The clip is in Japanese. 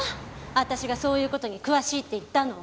私がそういう事に詳しいって言ったの。